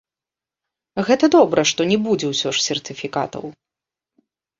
Гэта добра, што не будзе ўсё ж сертыфікатаў.